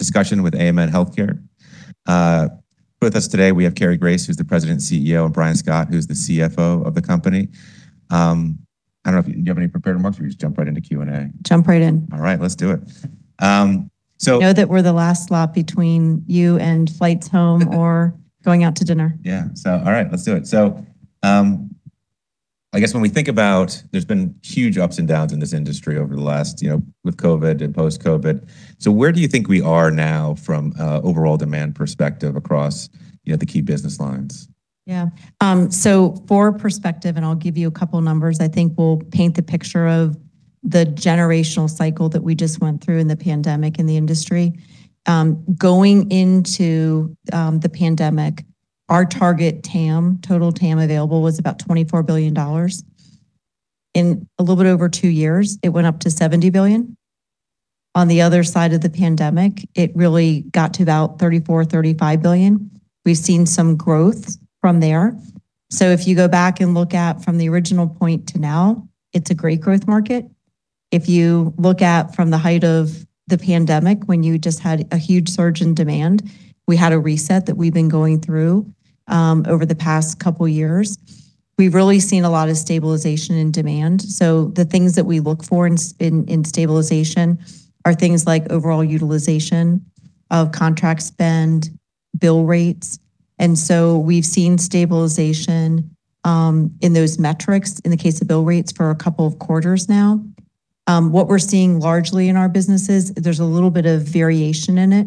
Discussion with AMN Healthcare. With us today, we have Cary Grace, who's the President and CEO, and Brian Scott, who's the CFO of the company. I don't know if you do you have any prepared remarks or we just jump right into Q&A? Jump right in. All right, let's do it. Know that we're the last slot between you and flights home or going out to dinner. Yeah. All right, let's do it. I guess when we think about there's been huge ups and downs in this industry over the last, you know, with COVID and post-COVID. Where do you think we are now from a overall demand perspective across, you know, the key business lines? Yeah. For perspective, and I'll give you a couple numbers, I think will paint the picture of the generational cycle that we just went through in the pandemic in the industry. Going into the pandemic, our target TAM, total TAM available, was about $24 billion. In a little bit over two years, it went up to $70 billion. On the other side of the pandemic, it really got to about $34 billion-$35 billion. We've seen some growth from there. If you go back and look at from the original point to now, it's a great growth market. If you look at from the height of the pandemic when you just had a huge surge in demand, we had a reset that we've been going through over the past couple years. We've really seen a lot of stabilization in demand. The things that we look for in stabilization are things like overall utilization of contract spend, bill rates. We've seen stabilization in those metrics in the case of bill rates for a couple of quarters now. What we're seeing largely in our businesses, there's a little bit of variation in it,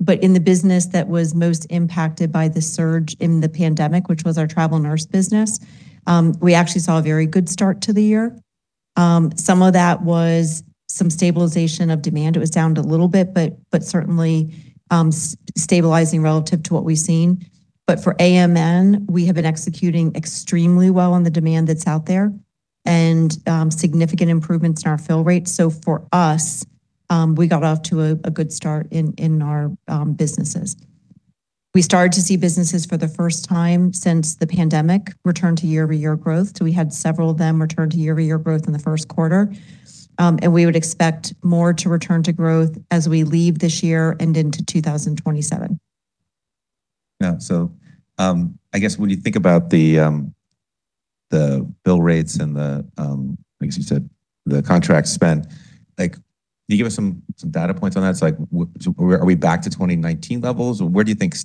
but in the business that was most impacted by the surge in the pandemic, which was our Travel Nurse business, we actually saw a very good start to the year. Some of that was some stabilization of demand. It was down a little bit, but certainly stabilizing relative to what we've seen. For AMN, we have been executing extremely well on the demand that's out there and significant improvements in our fill rate. For us, we got off to a good start in our businesses. We started to see businesses for the first time since the pandemic return to year-over-year growth. We had several of them return to year-over-year growth in the first quarter. We would expect more to return to growth as we leave this year and into 2027. Yeah. I guess when you think about the bill rates and the, I guess you said the contract spend, like, can you give us some data points on that? Are we back to 2019 levels? Does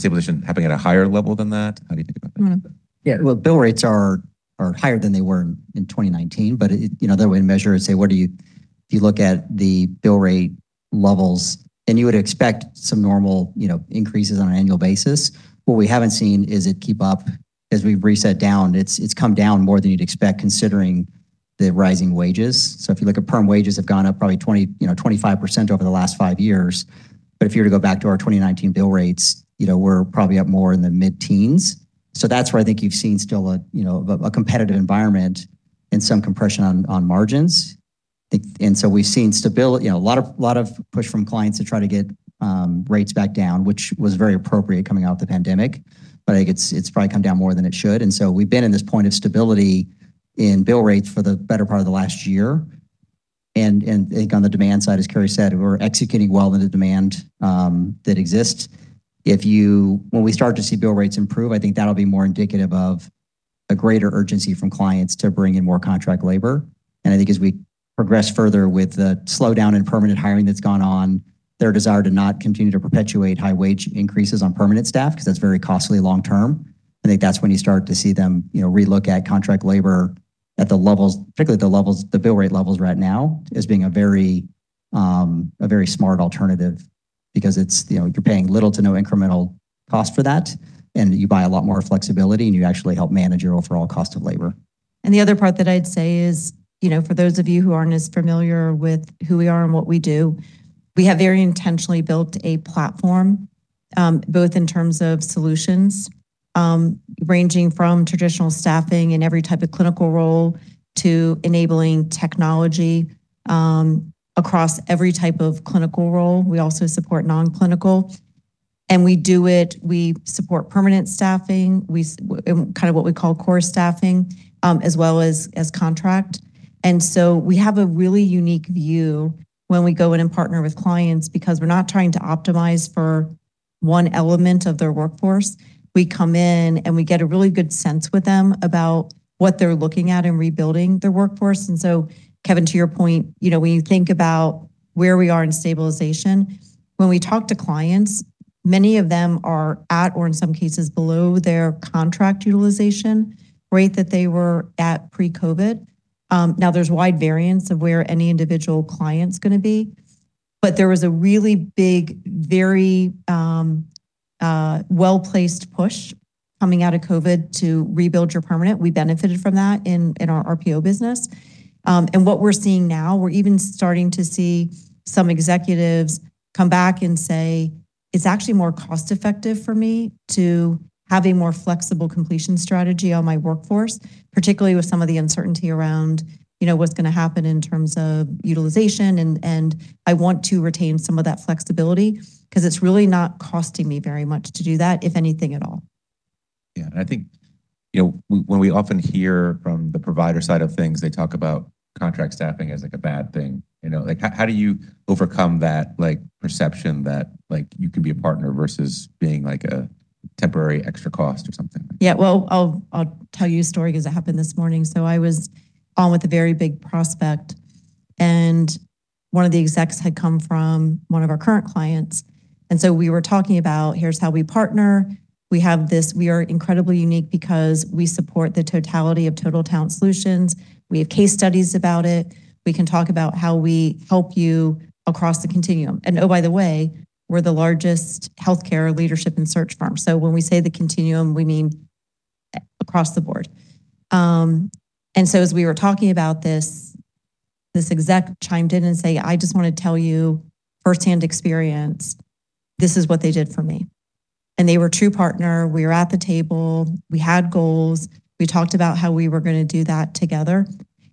stabilization happen at a higher level than that? How do you think about that? Yeah. Well, bill rates are higher than they were in 2019, you know, the way to measure it, say, if you look at the bill rate levels, you would expect some normal, you know, increases on an annual basis. What we haven't seen is it keep up as we've reset down. It's come down more than you'd expect considering the rising wages. If you look at perm wages have gone up probably, you know, 25% over the last five years. If you were to go back to our 2019 bill rates, you know, we're probably up more in the mid-teens. That's where I think you've seen still a, you know, a competitive environment and some compression on margins. We've seen, you know, a lot of push from clients to try to get rates back down, which was very appropriate coming out of the pandemic. I think it's probably come down more than it should. We've been in this point of stability in bill rates for the better part of the last year. I think on the demand side, as Cary said, we're executing well in the demand that exists. When we start to see bill rates improve, I think that'll be more indicative of a greater urgency from clients to bring in more contract labor. I think as we progress further with the slowdown in permanent hiring that's gone on, their desire to not continue to perpetuate high wage increases on permanent staff because that's very costly long term. I think that's when you start to see them, you know, relook at contract labor at the levels, particularly the levels, the bill rate levels right now, as being a very smart alternative because it's, you know, you're paying little to no incremental cost for that, and you buy a lot more flexibility, and you actually help manage your overall cost of labor. The other part that I'd say is, you know, for those of you who aren't as familiar with who we are and what we do, we have very intentionally built a platform, both in terms of solutions, ranging from traditional staffing in every type of clinical role to enabling technology, across every type of clinical role. We also support non-clinical, and we do it. We support permanent staffing, kind of what we call core staffing, as well as contract. We have a really unique view when we go in and partner with clients because we're not trying to optimize for one element of their workforce. We come in, and we get a really good sense with them about what they're looking at in rebuilding their workforce. Kevin, to your point, you know, when you think about where we are in stabilization, when we talk to clients, many of them are at or in some cases below their contract utilization rate that they were at pre-COVID. Now there's wide variance of where any individual client's gonna be. There was a really big, very well-placed push coming out of COVID to rebuild your permanent. We benefited from that in our RPO business. What we're seeing now, we're even starting to see some executives come back and say, "It's actually more cost-effective for me to have a more flexible completion strategy on my workforce, particularly with some of the uncertainty around, you know, what's going to happen in terms of utilization and I want to retain some of that flexibility because it's really not costing me very much to do that, if anything at all. Yeah. I think, you know, when we often hear from the provider side of things, they talk about contract staffing as, like, a bad thing, you know. How do you overcome that, like, perception that, like, you can be a partner versus being, like, a temporary extra cost or something like that? Yeah. Well, I'll tell you a story 'cause it happened this morning. I was on with a very big prospect, and one of the execs had come from one of our current clients. We were talking about here's how we partner. We are incredibly unique because we support the totality of total talent solutions. We have case studies about it. We can talk about how we help you across the continuum. Oh, by the way, we're the largest healthcare leadership and search firm. When we say the continuum, we mean across the board. As we were talking about this exec chimed in and say, I just wanna tell you firsthand experience, this is what they did for me. They were a true partner. We were at the table. We had goals. We talked about how we were gonna do that together.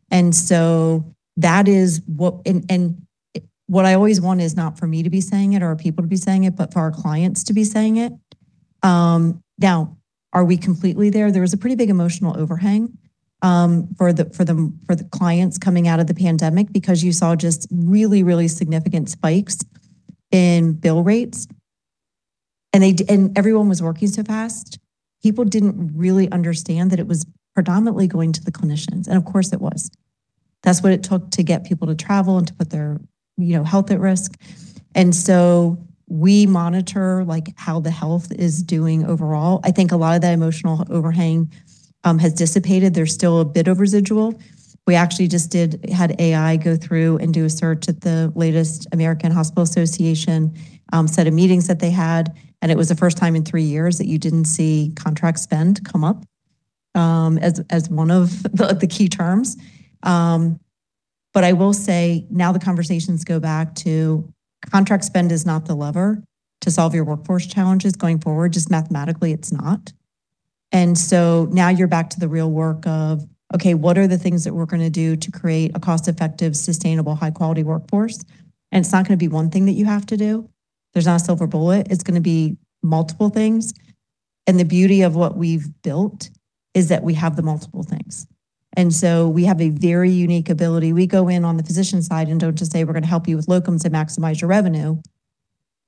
That is what—what I always want is not for me to be saying it or people to be saying it, but for our clients to be saying it. Now, are we completely there? There was a pretty big emotional overhang for the clients coming out of the pandemic because you saw just really, really significant spikes in bill rates. Everyone was working so fast. People didn't really understand that it was predominantly going to the clinicians, and of course, it was. That's what it took to get people to travel and to put their, you know, health at risk. We monitor, like, how the health is doing overall. I think a lot of that emotional overhang has dissipated. There's still a bit of residual. We actually just had AI go through and do a search at the latest American Hospital Association set of meetings that they had, and it was the first time in three years that you didn't see contract spend come up as one of the key terms. I will say now the conversations go back to contract spend is not the lever to solve your workforce challenges going forward, just mathematically it's not. Now you're back to the real work of, okay, what are the things that we're gonna do to create a cost-effective, sustainable, high quality workforce? It's not gonna be one thing that you have to do. There's not a silver bullet. It's gonna be multiple things. The beauty of what we've built is that we have the multiple things. We have a very unique ability. We go in on the physician side and don't just say, we're going to help you with locums and maximize your revenue.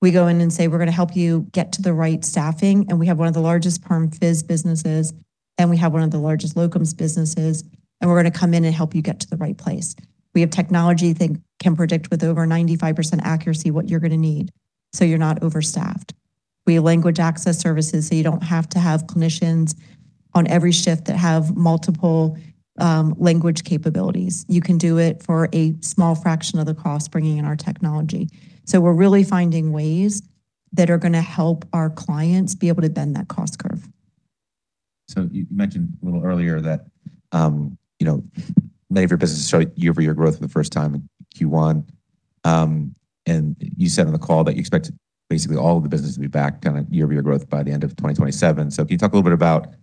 We go in and say, we're going to help you get to the right staffing, and we have one of the largest Perm Phys businesses, and we have one of the largest Locums businesses, and we're going to come in and help you get to the right place. We have technology that can predict with over 95% accuracy what you're going to need, so you're not overstaffed. We have language access services, so you don't have to have clinicians on every shift that have multiple language capabilities. You can do it for a small fraction of the cost bringing in our technology. We're really finding ways that are going to help our clients be able to bend that cost curve. You mentioned a little earlier that, you know, none of your businesses show year-over-year growth for the first time in Q1. You said on the call that you expect basically all of the business to be back kinda year-over-year growth by the end of 2027. Can you talk a little bit about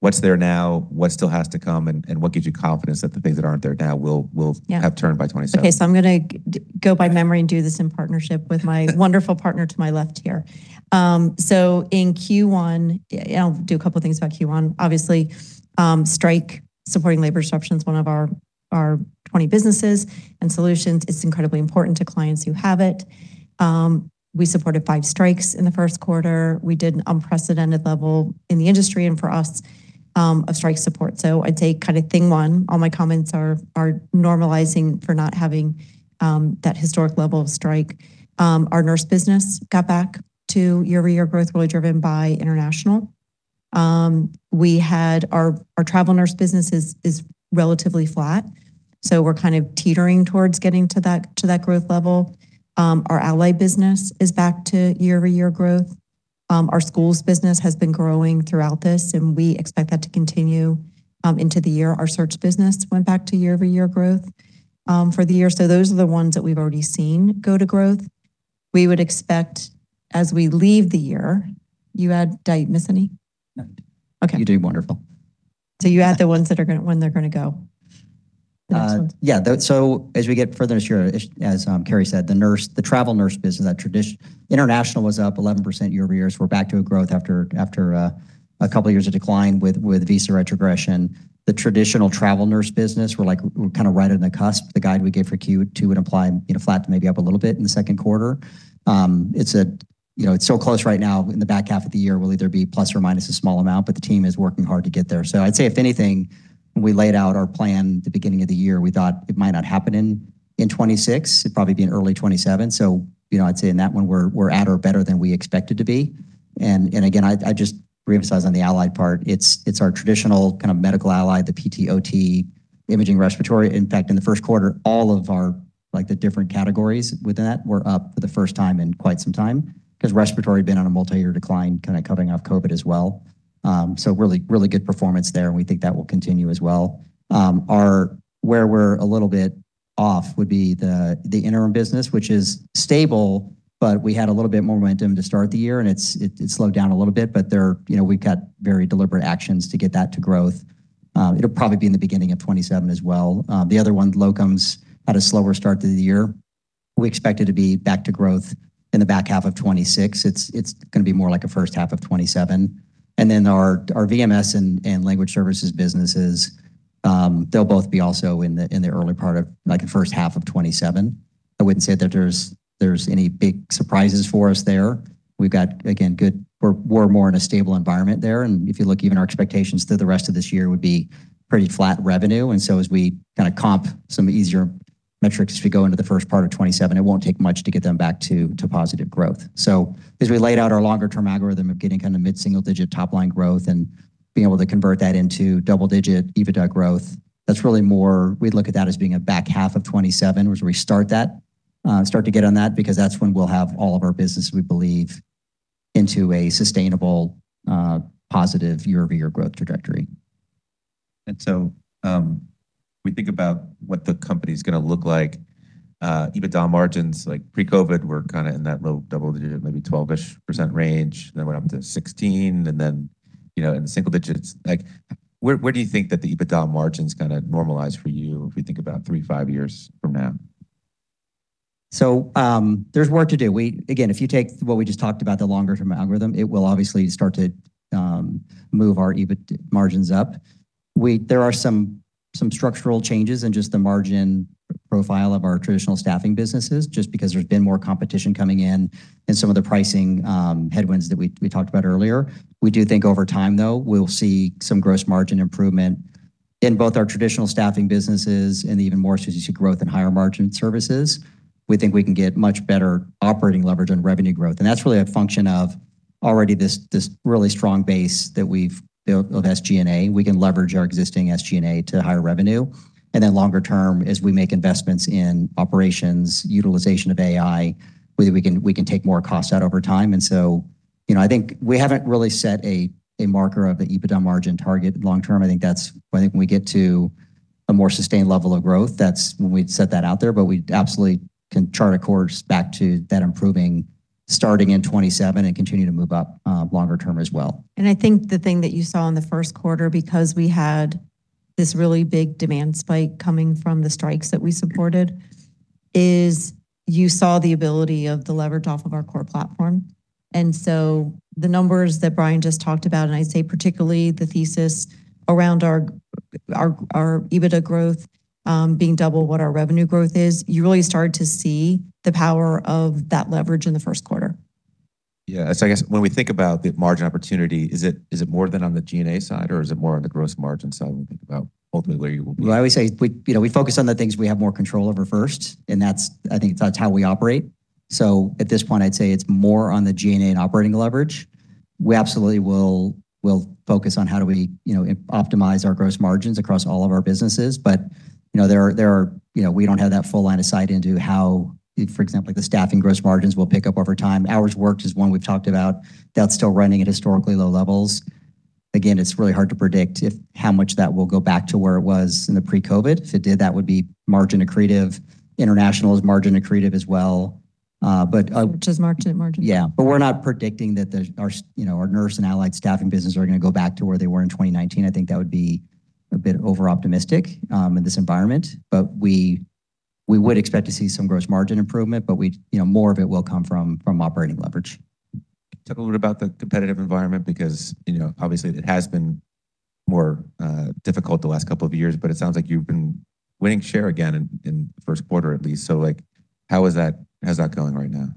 what's there now, what still has to come, and what gives you confidence that the things that aren't there now will- Yeah.... have turned by 2027? Okay. I'm gonna go by memory and do this in partnership with my wonderful partner to my left here. In Q1, yeah, I'll do a couple of things about Q1. Obviously, strike, supporting labor disruptions, one of our 20 businesses and solutions. It's incredibly important to clients who have it. We supported five strikes in the first quarter. We did an unprecedented level in the industry and for us of strike support. I'd say kind of thing one, all my comments are normalizing for not having that historic level of strike. Our Nurse business got back to year-over-year growth, really driven by international. We had our Travel Nurse business is relatively flat, so we're kind of teetering towards getting to that growth level. Our Allied business is back to year-over-year growth. Our Schools business has been growing throughout this, and we expect that to continue into the year. Our Search business went back to year-over-year growth for the year. Those are the ones that we've already seen go to growth, we would expect, as we leave the year. Did I miss any? No. Okay. You did wonderful. You add the ones when they're gonna go. The next one. As we get further this year, as Cary said, the Nurse, the Travel Nurse business, that international was up 11% year-over-year, we're back to a growth after a couple of years of decline with visa retrogression. The traditional Travel Nurse business, we're like we're kinda right on the cusp. The guide we gave for Q2 would apply, you know, flat to maybe up a little bit in the second quarter. It's a, you know, it's so close right now. In the back half of the year, we'll either be plus or minus a small amount, but the team is working hard to get there. I'd say if anything, when we laid out our plan at the beginning of the year, we thought it might not happen in 2026. It'd probably be in early 2027. You know, I'd say in that one we're at or better than we expected to be. Again, I just emphasize on the Allied part, it's our traditional kind of medical allied, the PT, OT, imaging, respiratory. In fact, in the first quarter, all of our, like the different categories within that were up for the first time in quite some time 'cause respiratory had been on a multi-year decline kinda coming off COVID as well. Really good performance there, and we think that will continue as well. Where we're a little bit off would be the Interim business, which is stable, but we had a little bit more momentum to start the year, and it's slowed down a little bit. There, you know, we've got very deliberate actions to get that to growth. It'll probably be in the beginning of 2027 as well. The other one, Locums, had a slower start to the year. We expect it to be back to growth in the back half of 2026. It's gonna be more like a first half of 2027. Our VMS and Language Services businesses, they'll both be also in the, in the early part of, like the first half of 2027. I wouldn't say that there's any big surprises for us there. We're more in a stable environment there, and if you look even our expectations through the rest of this year would be pretty flat revenue. As we kinda comp some easier metrics as we go into the first part of 2027, it won't take much to get them back to positive growth. As we laid out our longer term algorithm of getting kinda mid-single digit top-line growth and being able to convert that into double-digit EBITDA growth, we'd look at that as being a back half of 2027, which we start that, start to get on that because that's when we'll have all of our business, we believe, into a sustainable, positive year-over-year growth trajectory. We think about what the company's gonna look like, EBITDA margins, like pre-COVID were kinda in that low double-digit, maybe 12% range, then went up to 16%, and then, you know, in the single-digits. Like where do you think that the EBITDA margin's gonna normalize for you if we think about three to five years from now? There's work to do. Again, if you take what we just talked about, the longer term algorithm, it will obviously start to move our EBITDA margins up. There are some structural changes in just the margin profile of our traditional staffing businesses, just because there's been more competition coming in and some of the pricing headwinds that we talked about earlier. We do think over time, though, we'll see some gross margin improvement in both our traditional staffing businesses and even more strategic growth in higher margin services. We think we can get much better operating leverage on revenue growth, and that's really a function of already this really strong base that we've built of SG&A. We can leverage our existing SG&A to higher revenue. Then longer term, as we make investments in operations, utilization of AI, we can take more costs out over time. So, you know, I think we haven't really set a marker of the EBITDA margin target long term. I think when we get to a more sustained level of growth, that's when we'd set that out there. We absolutely can chart a course back to that improving starting in 2027 and continue to move up longer term as well. I think the thing that you saw in the first quarter, because we had this really big demand spike coming from the strikes that we supported, is you saw the ability of the leverage off of our core platform. The numbers that Brian just talked about, and I'd say particularly the thesis around our EBITDA growth, being double what our revenue growth is, you really started to see the power of that leverage in the first quarter. I guess when we think about the margin opportunity, is it more than on the G&A side or is it more on the gross margin side when we think about ultimately where you will be? I always say we, you know, we focus on the things we have more control over first, and that's, I think that's how we operate. At this point, I'd say it's more on the G&A and operating leverage. We absolutely will focus on how do we, you know, optimize our gross margins across all of our businesses. You know, there are, you know, we don't have that full-line of sight into how, for example, like the staffing gross margins will pick up over time. Hours worked is one we've talked about. That's still running at historically low levels. Again, it's really hard to predict how much that will go back to where it was in the pre-COVID. If it did, that would be margin accretive. International is margin accretive as well. Which is [marked in] margin. Yeah, we're not predicting that, you know, our Nurse and Allied staffing business are gonna go back to where they were in 2019. I think that would be a bit overoptimistic in this environment. We would expect to see some gross margin improvement, you know, more of it will come from operating leverage. Talk a little bit about the competitive environment because, you know, obviously it has been more difficult the last couple of years, but it sounds like you've been winning share again in the first quarter at least. Like, how's that going right now?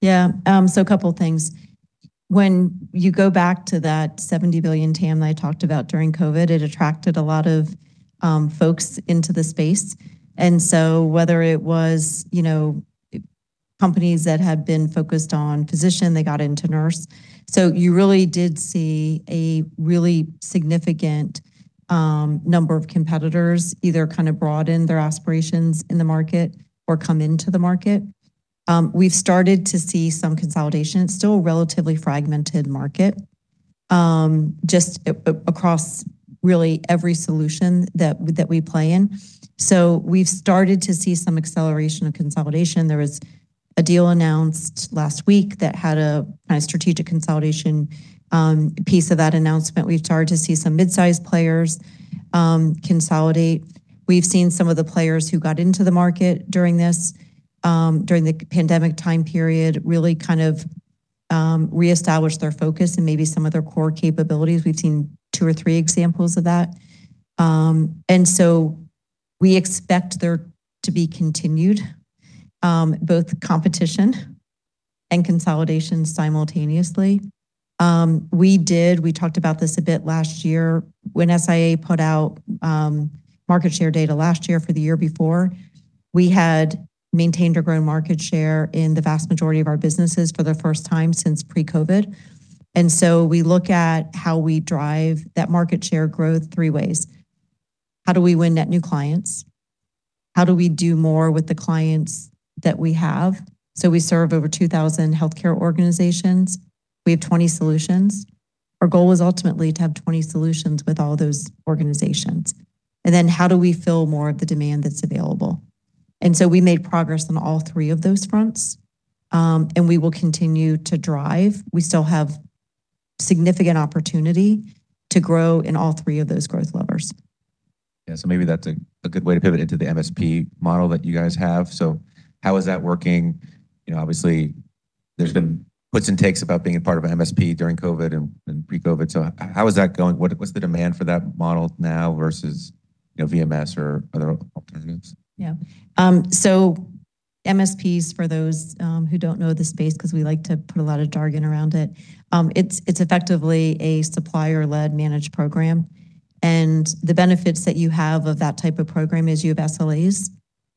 Yeah. Couple things. When you go back to that $70 billion TAM that I talked about during COVID, it attracted a lot of folks into the space. Whether it was, you know, companies that had been focused on physician, they got into nurse. You really did see a significant number of competitors either kind of broaden their aspirations in the market or come into the market. We've started to see some consolidation. It's still a relatively fragmented market, just across really every solution that we play in. We've started to see some acceleration of consolidation. There was a deal announced last week that had a kind of strategic consolidation piece of that announcement. We've started to see some mid-sized players consolidate. We've seen some of the players who got into the market during this, during the pandemic time period really reestablish their focus and maybe some of their core capabilities. We've seen two or three examples of that. We expect there to be continued both competition and consolidation simultaneously. We talked about this a bit last year. When SIA put out market share data last year for the year before, we had maintained or grown market share in the vast majority of our businesses for the first time since pre-COVID. We look at how we drive that market share growth three ways. How do we win net new clients? How do we do more with the clients that we have? We serve over 2,000 healthcare organizations. We have 20 solutions. Our goal is ultimately to have 20 solutions with all those organizations. How do we fill more of the demand that's available? We made progress on all three of those fronts, and we will continue to drive. We still have significant opportunity to grow in all three of those growth levers. Maybe that's a good way to pivot into the MSP model that you guys have. How is that working? You know, obviously there's been puts and takes about being a part of MSP during COVID and pre-COVID. How is that going? What's the demand for that model now versus, you know, VMS or other alternatives? Yeah. MSPs, for those who don't know the space, 'cause we like to put a lot of jargon around it's effectively a supplier-led managed program. The benefits that you have of that type of program is you have SLAs,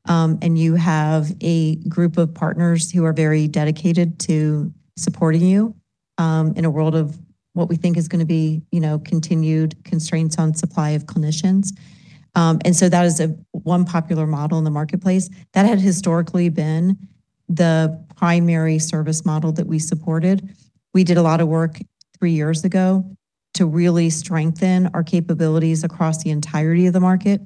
and you have a group of partners who are very dedicated to supporting you, in a world of what we think is gonna be, you know, continued constraints on supply of clinicians. That is a one popular model in the marketplace. That had historically been the primary service model that we supported. We did a lot of work three years ago to really strengthen our capabilities across the entirety of the market.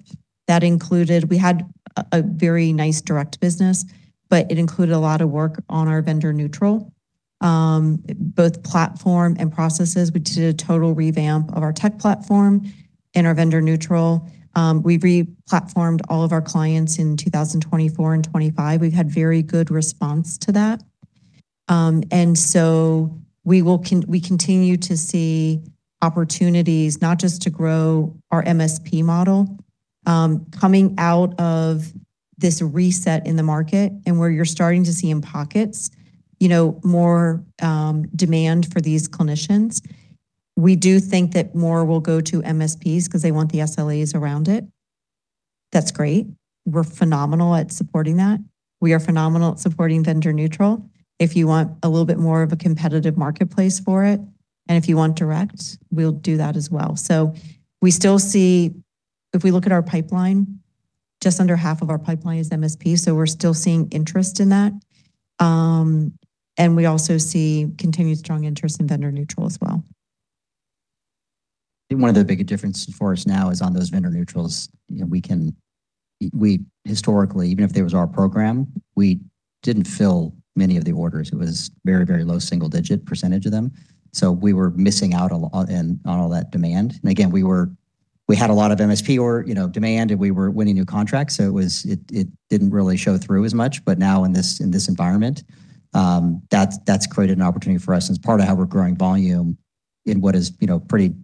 We had a very nice direct business, but it included a lot of work on our vendor neutral, both platform and processes. We did a total revamp of our tech platform and our vendor neutral. We re-platformed all of our clients in 2024 and 2025. We've had very good response to that. We continue to see opportunities not just to grow our MSP model, coming out of this reset in the market and where you're starting to see in pockets, you know, more demand for these clinicians. We do think that more will go to MSPs 'cause they want the SLAs around it. That's great. We're phenomenal at supporting that. We are phenomenal at supporting vendor neutral. If you want a little bit more of a competitive marketplace for it, and if you want direct, we'll do that as well. If we look at our pipeline, just under half of our pipeline is MSP, so we're still seeing interest in that. And we also see continued strong interest in vendor neutral as well. I think one of the big differences for us now is on those vendor neutrals, you know, We historically, even if there was our program, we didn't fill many of the orders. It was very low single-digit percentage of them. We were missing out on all that demand. Again, we had a lot of MSP or, you know, demand, and we were winning new contracts, so it didn't really show through as much. Now in this, in this environment, that's created an opportunity for us and it's part of how we're growing volume in what is, you know, pretty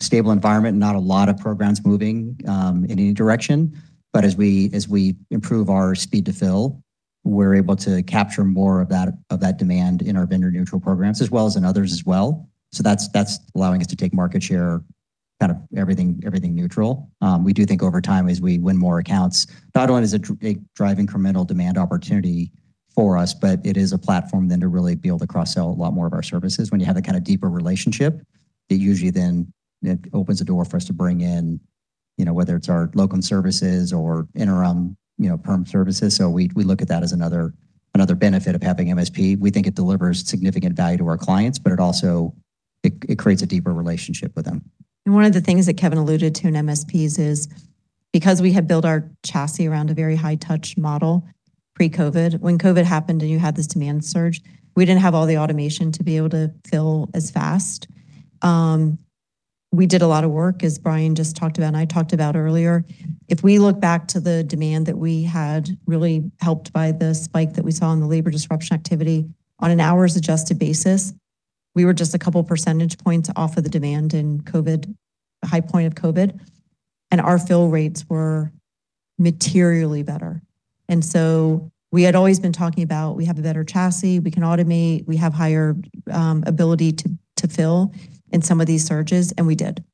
stable environment, not a lot of programs moving, in any direction. As we improve our speed to fill, we're able to capture more of that demand in our vendor neutral programs as well as in others as well. That's allowing us to take market share, kind of everything neutral. We do think over time, as we win more accounts, not only does it drive incremental demand opportunity for us, but it is a platform then to really be able to cross-sell a lot more of our services. When you have a kinda deeper relationship, it usually then, it opens the door for us to bring in, you know, whether it's our Locum services or Interim, you know, Perm services. We look at that as another benefit of having MSP. We think it delivers significant value to our clients, but it creates a deeper relationship with them. One of the things that Kevin alluded to in MSPs is because we had built our chassis around a very high touch model pre-COVID, when COVID happened, you had this demand surge, we didn't have all the automation to be able to fill as fast. We did a lot of work, as Brian just talked about and I talked about earlier. If we look back to the demand that we had really helped by the spike that we saw in the labor disruption activity, on an hours adjusted basis, we were just a couple percentage points off of the demand in COVID, the high point of COVID, our fill rates were materially better. We had always been talking about we have a better chassis, we can automate, we have higher ability to fill in some of these surges, we did.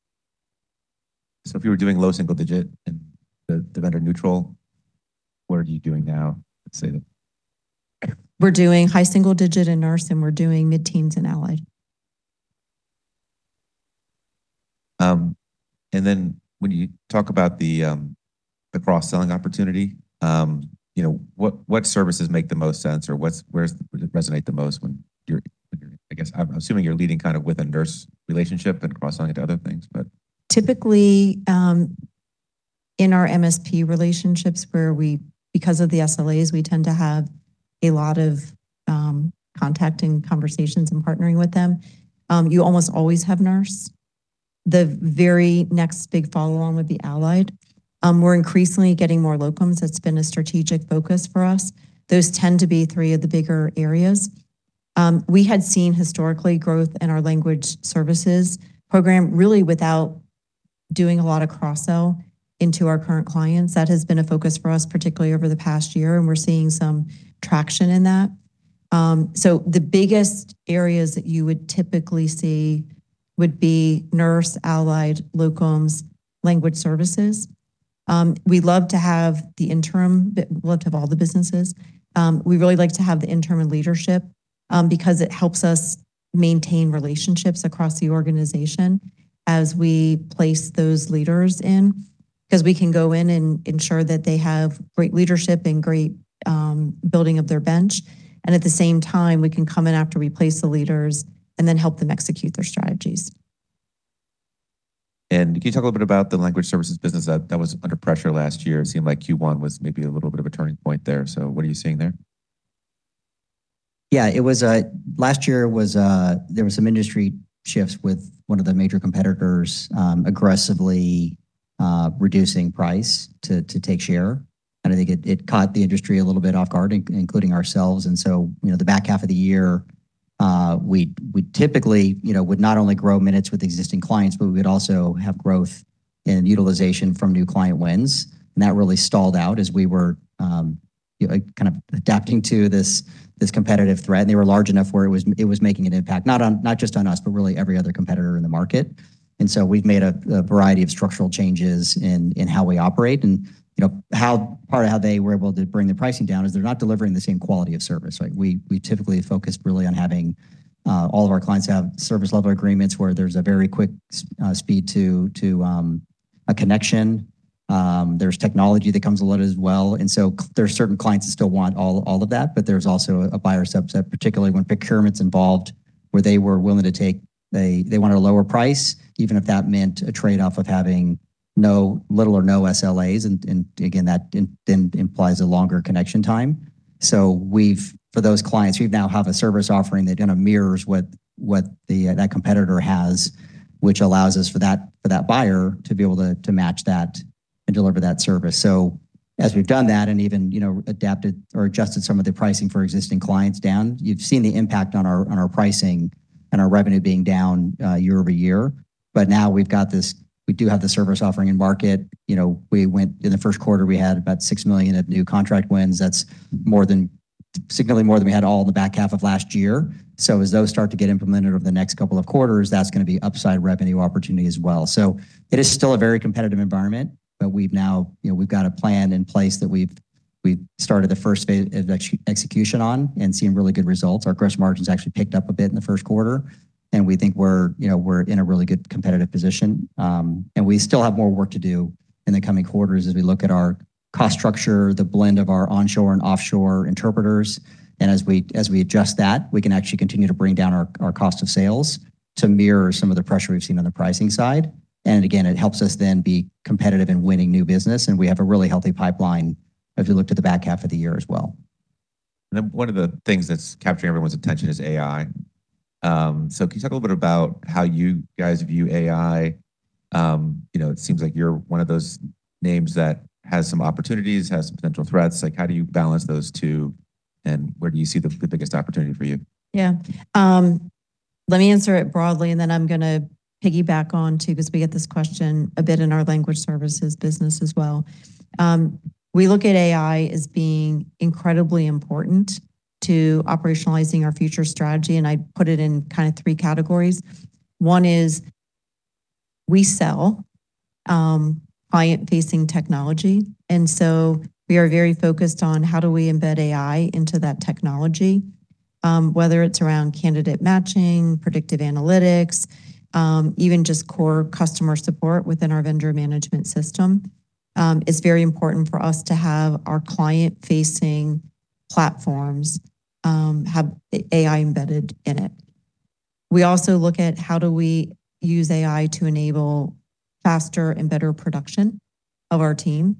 If you were doing low single-digit in the vendor neutral, what are you doing now, let's say? We're doing high single-digit in Nurse, and we're doing mid-teens in Allied. When you talk about the cross-selling opportunity, you know, what services make the most sense or resonate the most when you're—I guess I'm assuming you're leading kind of with a nurse relationship and cross-selling to other things? Typically, in our MSP relationships where because of the SLAs, we tend to have a lot of contacting conversations and partnering with them. You almost always have Nurse. The very next big follow on would be Allied. We're increasingly getting more Locums. That's been a strategic focus for us. Those tend to be three of the bigger areas. We had seen historically growth in our Language Services program, really without doing a lot of cross-sell into our current clients. That has been a focus for us, particularly over the past year, and we're seeing some traction in that. The biggest areas that you would typically see would be Nurse, Allied, Locums, Language Services. We love to have the Interim. We love to have all the businesses. We really like to have the interim in leadership, because it helps us maintain relationships across the organization as we place those leaders in. We can go in and ensure that they have great leadership and great building of their bench, and at the same time, we can come in after we place the leaders and then help them execute their strategies. Can you talk a little bit about the Language Services business that was under pressure last year? It seemed like Q1 was maybe a little bit of a turning point there. What are you seeing there? Yeah, last year was a—there were some industry shifts with one of the major competitors, aggressively reducing price to take share. I think it caught the industry a little bit off guard, including ourselves. You know, the back half of the year, we typically, you know, would not only grow minutes with existing clients, but we would also have growth and utilization from new client wins. That really stalled out as we were, you know, kind of adapting to this competitive threat. They were large enough where it was making an impact, not just on us, but really every other competitor in the market. We've made a variety of structural changes in how we operate. You know, part of how they were able to bring the pricing down is they're not delivering the same quality of service, right? We typically focus really on having all of our clients have Service-Level Agreements where there's a very quick speed to a connection. There's technology that comes with it as well, there's certain clients that still want all of that. There's also a buyer subset, particularly when procurement's involved, where they were willing to take they want a lower price, even if that meant a trade-off of having little or no SLAs. Again, that implies a longer connection time. We've, for those clients, we now have a service offering that kind of mirrors what that competitor has, which allows us for that, for that buyer to be able to match that and deliver that service. As we've done that and even, you know, adapted or adjusted some of the pricing for existing clients down, you've seen the impact on our pricing and our revenue being down year-over-year. Now we do have the service offering in market. You know, in the first quarter, we had about $6 million of new contract wins. That's significantly more than we had all the back half of last year. As those start to get implemented over the next couple of quarters, that's going to be upside revenue opportunity as well. It is still a very competitive environment, but we've now, you know, we've got a plan in place that we've started the first phase of execution on and seen really good results. Our gross margins actually picked up a bit in the first quarter, and we think we're, you know, we're in a really good competitive position. We still have more work to do in the coming quarters as we look at our cost structure, the blend of our onshore and offshore interpreters. As we adjust that, we can actually continue to bring down our cost of sales to mirror some of the pressure we've seen on the pricing side. Again, it helps us then be competitive in winning new business, and we have a really healthy pipeline if you look to the back half of the year as well. One of the things that's capturing everyone's attention is AI. Can you talk a little bit about how you guys view AI? You know, it seems like you're one of those names that has some opportunities, has some potential threats. Like how do you balance those two, and where do you see the biggest opportunity for you? Yeah. Let me answer it broadly, and then I'm going to piggyback on too, because we get this question a bit in our Language Services business as well. We look at AI as being incredibly important to operationalizing our future strategy, and I put it in kind of three categories. One is we sell, client-facing technology, and so we are very focused on how do we embed AI into that technology, whether it's around candidate matching, predictive analytics, even just core customer support within our vendor management system. It's very important for us to have our client-facing platforms, have AI embedded in it. We also look at how do we use AI to enable faster and better production of our team.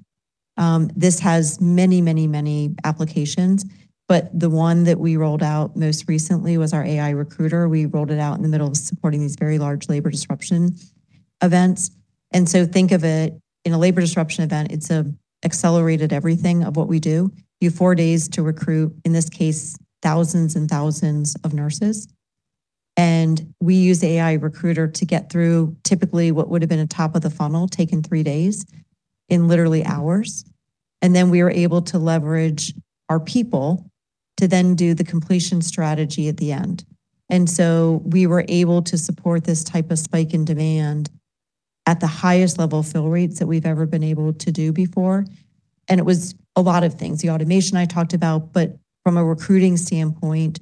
This has many, many, many applications, but the one that we rolled out most recently was our AI recruiter. We rolled it out in the middle of supporting these very large labor disruption events. Think of it in a labor disruption event, it's accelerated everything of what we do. You have four days to recruit, in this case, thousands and thousands of nurses. We use AI recruiter to get through typically what would've been a top of the funnel taken three days in literally hours. We are able to leverage our people to then do the completion strategy at the end. We were able to support this type of spike in demand at the highest level fill rates that we've ever been able to do before. It was a lot of things, the automation I talked about, but from a recruiting standpoint,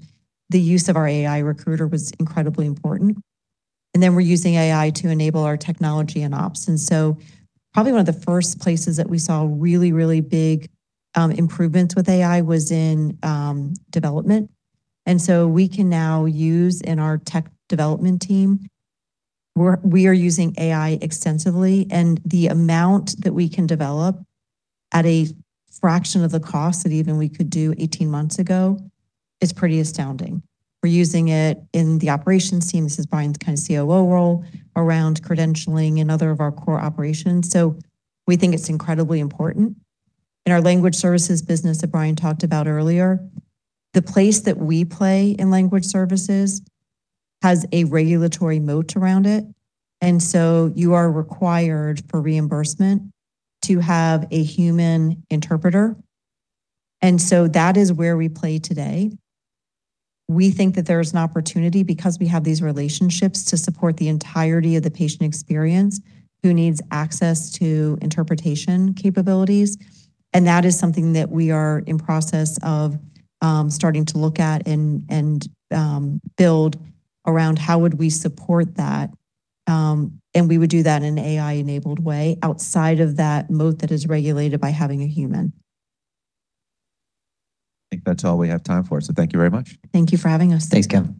the use of our AI recruiter was incredibly important. We're using AI to enable our technology and ops. Probably one of the first places that we saw really big improvements with AI was in development. We can now use, in our tech development team, we are using AI extensively, and the amount that we can develop at a fraction of the cost that even we could do 18 months ago is pretty astounding. We're using it in the operations team, this is Brian's kind of COO role, around credentialing and other of our core operations. We think it's incredibly important. In our Language Services business that Brian talked about earlier, the place that we play in Language Services has a regulatory moat around it, and so you are required for reimbursement to have a human interpreter. That is where we play today. We think that there's an opportunity because we have these relationships to support the entirety of the patient experience who needs access to interpretation capabilities, and that is something that we are in process of, starting to look at and build around how would we support that. We would do that in an AI-enabled way outside of that moat that is regulated by having a human. I think that's all we have time for, so thank you very much. Thank you for having us. Thanks, Kevin.